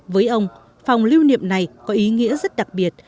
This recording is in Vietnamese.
với ông phòng lưu niệm này có ý nghĩa rất đặc biệt